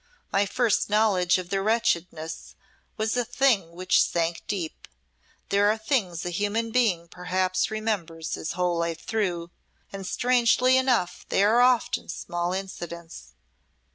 My first knowledge of their wretchedness was a thing which sank deep. There are things a human being perhaps remembers his whole life through and strangely enough they are often small incidents.